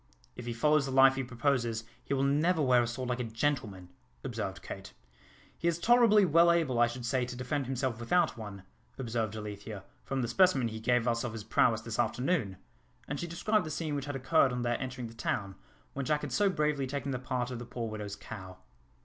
"If he follows the life he proposes, he will never wear a sword like a gentleman," observed Kate. "He is tolerably well able, I should say, to defend himself without one," observed Alethea, "from the specimen he gave us of his prowess this afternoon," and she described the scene which had occurred on their entering the town, when Jack had so bravely taken the part of the poor widow's cow.